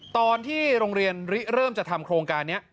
ตอนที่โรงเรียนเริ่มจะทำโครงการนี้